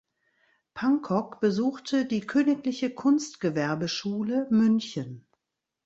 Pankok besuchte die Königliche Kunstgewerbeschule München.